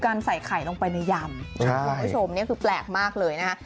ข้างบัวแห่งสันยินดีต้อนรับทุกท่านนะครับ